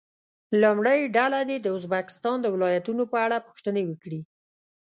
لومړۍ ډله دې د ازبکستان د ولایتونو په اړه پوښتنې وکړي.